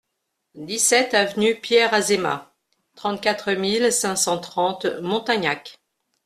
dix-sept avenue Pierre Azéma, trente-quatre mille cinq cent trente Montagnac